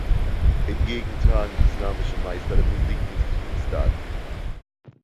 Hingegen tragen islamische Meister der Musik den Titel Ustad.